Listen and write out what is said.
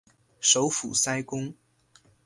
首府塞公。